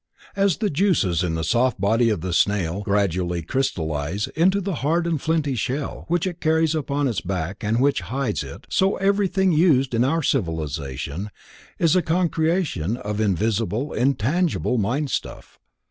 As the juices in the soft body of the snail gradually crystallize into the hard and flinty shell which it carries upon its back and which hides it, so everything used in our civilization is a concretion of invisible, intangible mind stuff.